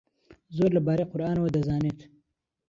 زۆر لەبارەی قورئانەوە دەزانێت.